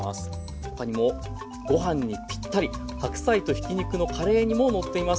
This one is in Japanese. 他にもご飯にぴったり白菜とひき肉のカレー煮も載っています。